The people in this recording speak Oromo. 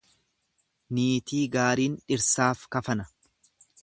Niitii gaariin dhirsaaf kafana.